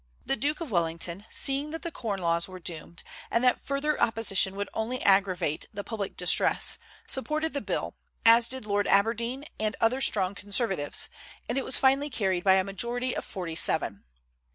The Duke of Wellington, seeing that the corn laws were doomed, and that further opposition would only aggravate the public distress, supported the bill, as did Lord Aberdeen and other strong conservatives, and it was finally carried by a majority of forty seven.